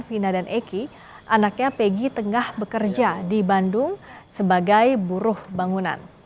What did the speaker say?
vina dan eki anaknya pegi tengah bekerja di bandung sebagai buruh bangunan